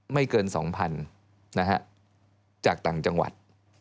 ไม่เกิน๒๐๐๐จากต่างจังหวัด